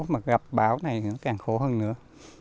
mà gặp bão này thì nó càng khổ hơn nữa